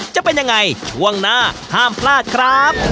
จะเป็นยังไงช่วงหน้าห้ามพลาดครับ